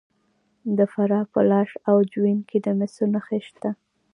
د فراه په لاش او جوین کې د مسو نښې شته.